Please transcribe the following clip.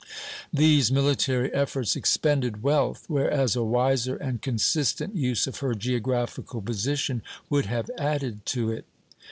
These military efforts expended wealth; whereas a wiser and consistent use of her geographical position would have added to it.